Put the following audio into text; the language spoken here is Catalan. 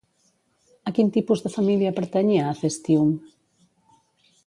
A quin tipus de família pertanyia Acestium?